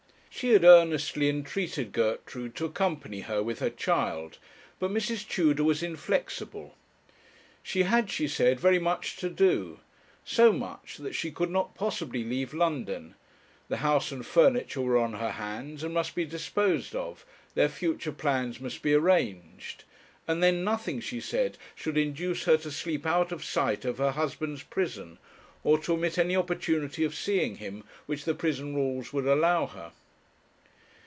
She had earnestly entreated Gertrude to accompany her, with her child; but Mrs. Tudor was inflexible. She had, she said, very much to do; so much, that she could not possibly leave London; the house and furniture were on her hands, and must be disposed of; their future plans must be arranged; and then nothing, she said, should induce her to sleep out of sight of her husband's prison, or to omit any opportunity of seeing him which the prison rules would allow her.